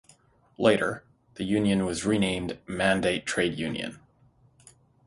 Later, the union was renamed "Mandate Trade Union".